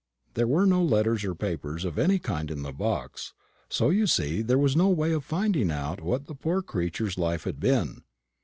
There were no letters or papers of any kind in the box; so you see there was no way of finding out what the poor creature's life had been.